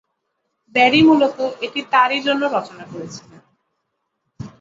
Barry মূলত এটি তারই জন্য রচনা করেছিলেন।